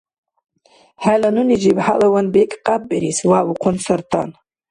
— ХӀела нуни жибхӀялаван бекӀ къяббирис! — вявухъун Сартан.